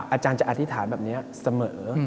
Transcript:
อาจารย์จะอธิษฐานแบบนี้เสมอ